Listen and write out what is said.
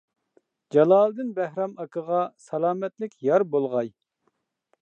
جالالىدىن بەھرام ئاكىغا سالامەتلىك يار بولغاي.